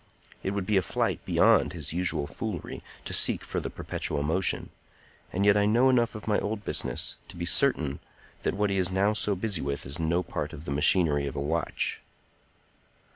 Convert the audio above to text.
It would be a flight beyond his usual foolery to seek for the perpetual motion; and yet I know enough of my old business to be certain that what he is now so busy with is no part of the machinery of a watch."